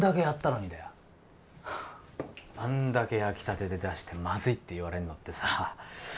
あんだけ焼きたてで出してまずいって言われんのってさ